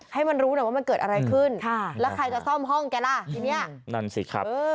ให้มันรู้หน่อยว่ามันเกิดอะไรขึ้นค่ะแล้วใครจะซ่อมห้องแกล่ะทีเนี้ยนั่นสิครับ